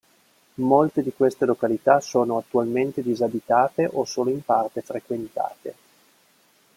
Molte di queste località sono attualmente disabitate o solo in parte frequentate.